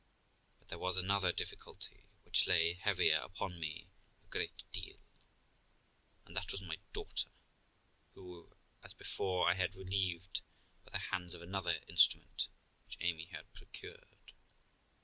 But there "was another difficulty, which lay heavier upon me a great deal, and that was my daughter, who, as before, I had relieved by the hands of another instrument, which Amy had procured.